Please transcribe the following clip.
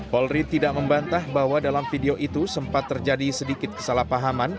polri tidak membantah bahwa dalam video itu sempat terjadi sedikit kesalahpahaman